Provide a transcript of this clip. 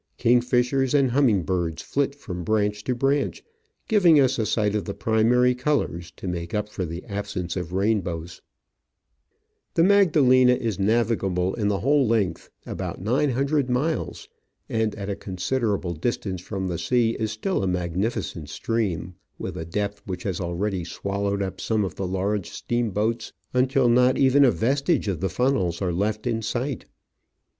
Kingfishers and humming birds flit from branch to branch, giving us a sight of the primary colours to make up for the absence of rainbows. Digitized by V:iOOQIC 6o Travels and Adventures The Magdalena is navigable in the whole length — about nine hundred miles — and at a considerable distance from the sea is still a magnificent stream, with a depth which has already swallowed up some of the laro^e steamboats until not even a vestio^e of the funnels are left in sight.